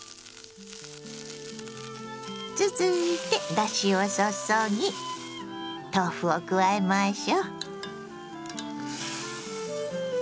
続いてだしを注ぎ豆腐を加えましょ。